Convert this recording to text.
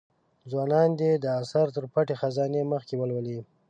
ځوانان دي دا اثر تر پټې خزانې مخکې ولولي.